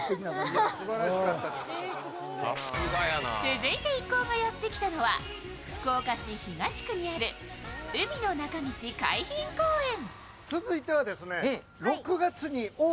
続いて一行がやってきたのは福岡市東区にある海の中道海浜公園。